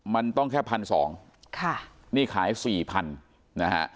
มันต้องแค่พันสองค่ะนี่ขายสี่พันนะฮะ